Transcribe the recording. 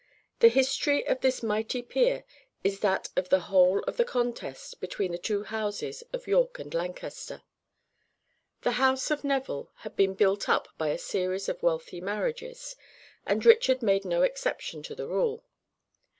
The history of this mighty peer is that of the whole of the contest between the two houses of York and Lancaster. The house of Neville had been built up by a series of wealthy marriages, and Richard made no exception to the rule.